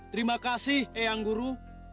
terima kasih eyang guru